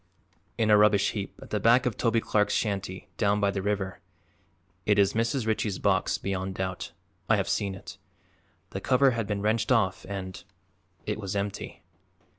"In a rubbish heap at the back of Toby Clark's shanty, down by the river. It is Mrs. Ritchie's box, beyond doubt; I have seen it; the cover had been wrenched off and it was empty."